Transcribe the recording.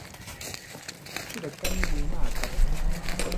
¿Chú reká niwíma akabó?